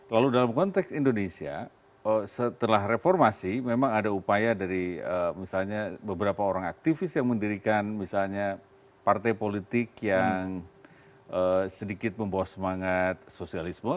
lalu dalam konteks indonesia setelah reformasi memang ada upaya dari misalnya beberapa orang aktivis yang mendirikan misalnya partai politik yang sedikit membawa semangat sosialisme